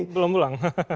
memang belum pulang